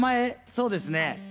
そうですね。